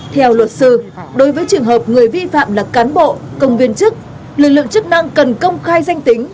theo luật sư đối với trường hợp người vi phạm là cán bộ công viên chức lực lượng chức năng cần công khai danh tính